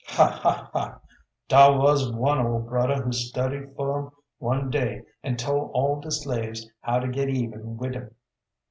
Ha! ha! ha! dar wuz one ol' brudder who studied fer 'em one day an' tol all de slaves how to git even wid 'em.